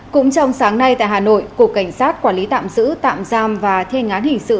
cũng trong sáng nay tại hà nội cục cảnh sát quản lý tạm giữ tạm giam và then án hình sự